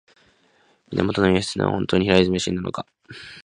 源義経は本当に平泉で死んだのか